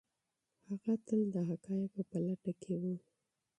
هغه تل د حقایقو په لټه کي و.